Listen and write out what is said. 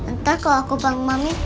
ntar kalau aku bangun mami